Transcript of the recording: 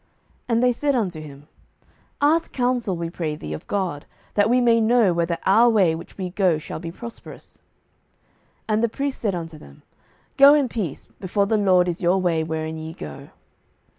07:018:005 And they said unto him, Ask counsel, we pray thee, of God, that we may know whether our way which we go shall be prosperous. 07:018:006 And the priest said unto them, Go in peace: before the LORD is your way wherein ye go.